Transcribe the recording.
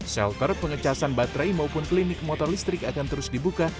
shelter pengecasan baterai maupun klinik motor listrik akan terus dibuka